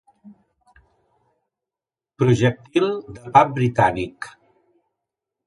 Projectil de pub britànic.